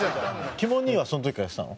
キモ兄はその時からやってたの？